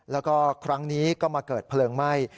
แล้วก็ครั้งนี้ก็มาเกิดเพลิงไหม้